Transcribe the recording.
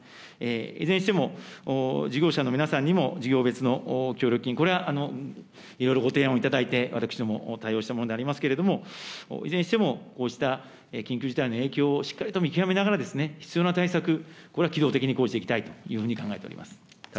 いずれにしても、事業者の皆さんにも、事業別の協力金、これはいろいろご提案をいただいて、私ども、対応したものでありますけれども、いずれにしても、こうした緊急事態の影響をしっかりと見極めながら、必要な対策、これは機動的に講じていきたいというふうに考えております。